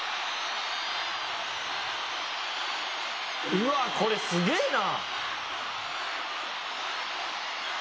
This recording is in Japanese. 「うわっこれすげえな！」